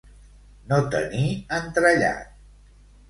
No tenir entrellat.